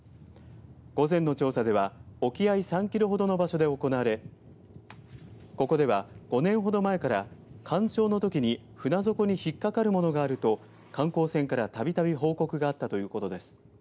午前の調査では沖合３キロほどの場所で行われここでは、５年ほど前から干潮のときに船底に引っかかるものなどがあると観光船からたびたび報告があったということです。